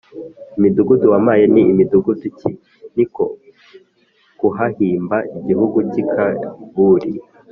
imidugudu wampaye ni midugudu ki?” Ni ko kuhahimba igihugu cy’i Kabuli